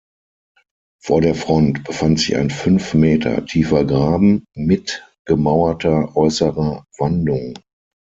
Vor der Front befand sich ein fünf Meter tiefer Graben mit gemauerter äußerer Wandung.